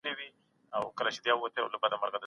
موږ د سياست په اړه نوي حقايق خپروو.